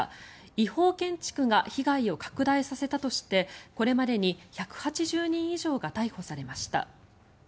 違法建築が被害を拡大させたとしてこれまでに１８０人以上が逮捕されました。